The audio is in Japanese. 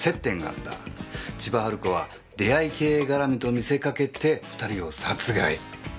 千葉ハル子は出会い系がらみと見せ掛けて２人を殺害。